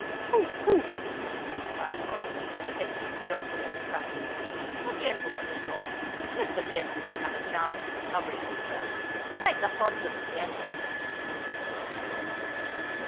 "Pooh, pooh!" cried Crockford, affecting a jocular chuckle. "The gentleman has lost—let the gentleman have a chance of recovering his self. Take the hodds of the gentleman."